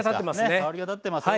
香りがたってますね。